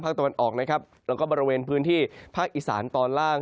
ตะวันออกนะครับแล้วก็บริเวณพื้นที่ภาคอีสานตอนล่าง